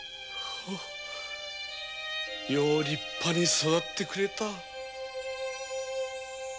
よう立派に育ってくれた。